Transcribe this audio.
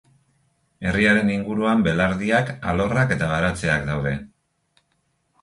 Herriaren inguruan belardiak, alorrak eta baratzeak daude.